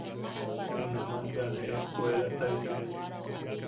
Junaman bea ne ejkuelataitek.